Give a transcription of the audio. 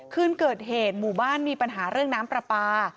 คืนเกิดเหตุหมู่บ้านมีปัญหาเรื่องน้ำปลาปลา